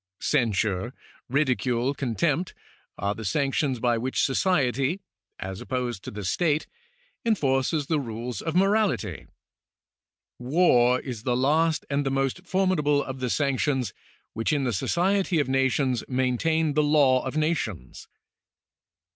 Cen sure, ridicule, contempt, are the sanctions by which society (as opposed to the state) enforces the rules of morality. War is the last and the most formidable of the sanctions which in the society of nations maintain the law of nations.